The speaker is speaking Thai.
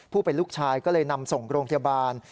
เป็นลูกชายก็เลยนำส่งโรงพยาบาล